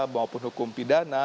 maupun hukum pidana